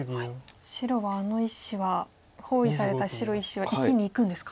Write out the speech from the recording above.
白はあの１子は包囲された白１子は生きにいくんですか。